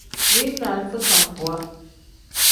Mili ni alifa sambuwa.